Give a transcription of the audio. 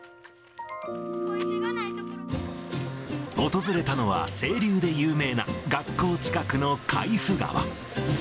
訪れたのは、清流で有名な学校近くの海部川。